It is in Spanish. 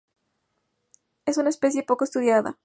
Es una especie poco estudiada.